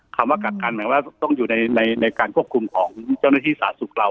คำว่ากักกันหมายว่าต้องอยู่ในการควบคุมของเจ้าหน้าที่สาธารณสุขเรา